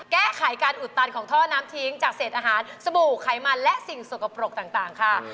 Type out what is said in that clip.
แก้ไขการอุดตันของท่อน้ำทิ้งจากเศษอาหารสบู่ไขมันและสิ่งสกปรกต่างค่ะ